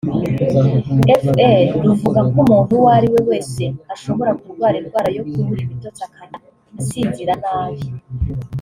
fr ruvuga ko umuntu uwo ari we wese ashobora kurwara indwara yo kubura ibitotsi akajya asinzira nabi